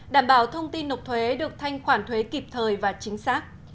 đảm bảo thông tin nộp thuế được thanh khoản thuế kịp thời và chính xác